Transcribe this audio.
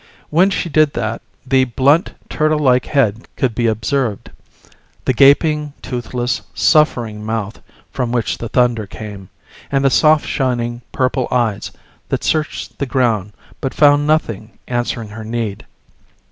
When she did that the blunt turtle like head could be observed, the gaping, toothless, suffering mouth from which the thunder came, and the soft shining purple eyes that searched the ground but found nothing answering her need.